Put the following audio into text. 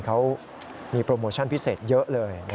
เขามีโปรโมชั่นพิเศษเยอะเลย